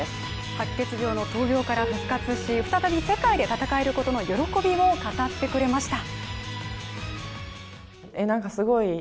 白血病の闘病から復活し再び世界で戦えることの喜びを語ってくれました。